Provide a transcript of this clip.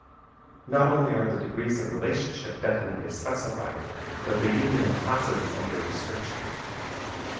Not only are the degrees of relationship definitely specified, but the union of classes is under restriction.